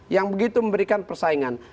yang begitu memberikan persaingan